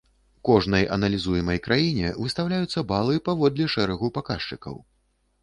Кожнай аналізуемай краіне выстаўляюцца балы паводле шэрагу паказчыкаў.